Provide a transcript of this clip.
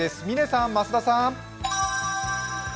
嶺さん、増田さん。